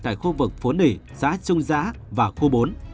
tại khu vực phố nể xã trung giã và khu bốn